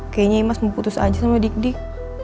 kayanya imas mau putus aja sama dik dik